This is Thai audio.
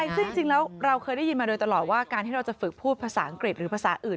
ซึ่งจริงแล้วเราเคยได้ยินมาโดยตลอดว่าการที่เราจะฝึกพูดภาษาอังกฤษหรือภาษาอื่น